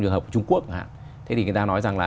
trường hợp trung quốc thì người ta nói rằng là